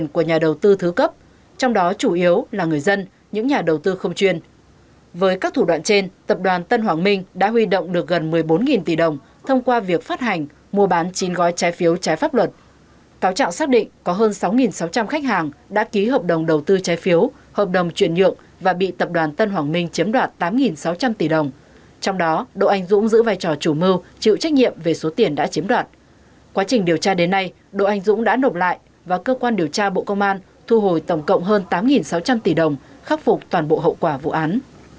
quá trình điều tra đến nay đội anh dũng đã nộp lại và cơ quan điều tra bộ công an thu hồi tổng cộng hơn tám sáu trăm linh tỷ đồng khắc phục toàn bộ hậu quả vụ án